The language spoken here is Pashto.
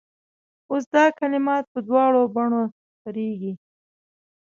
اوس دا کلمات په دواړو بڼو خپرېږي.